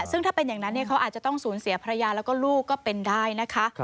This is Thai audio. ซึ่งถ้าเป็นอย่างนั้นเขาอาจจะต้องสูญเสียภรรยาแล้วก็ลูกก็เป็นได้นะคะ